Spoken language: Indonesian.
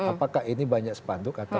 apakah ini banyak sepanduk atau